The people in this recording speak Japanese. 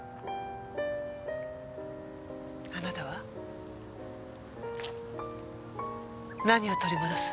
あなたは何を取り戻す？